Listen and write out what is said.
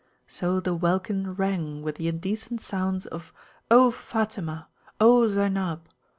So the welkin rang with the indecent sounds of O Fatimah! O Zaynab!